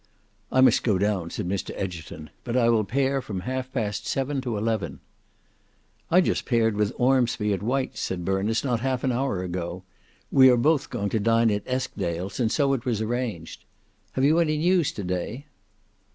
"I must go down," said Mr Egerton; "but I will pair from halfpast seven to eleven." "I just paired with Ormsby at White's," said Berners; "not half an hour ago. We are both going to dine at Eskdale's, and so it was arranged. Have you any news to day?"